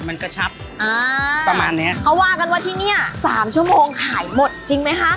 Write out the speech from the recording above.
มันกระชับอ่าประมาณเนี้ยเขาว่ากันว่าที่เนี้ยสามชั่วโมงขายหมดจริงไหมคะ